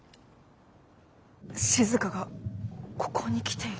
しずかがここに来ている？